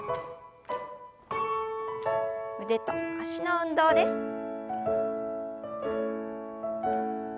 腕と脚の運動です。